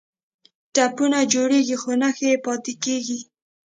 ټپونه جوړیږي خو نښې یې پاتې کیږي.